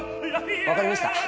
わかりました。